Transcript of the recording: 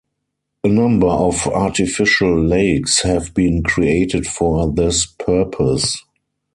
A number of artificial lakes have been created for this purpose.